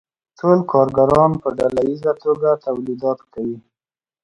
ټول کارګران په ډله ییزه توګه تولیدات کوي